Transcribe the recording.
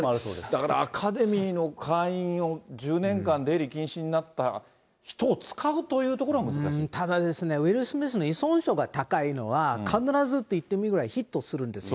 だからアカデミーの会員を１０年間出入り禁止になった人を使ただ、ウィル・スミスの依存症が高いのは、必ずといってもいいぐらい、ヒットするんです。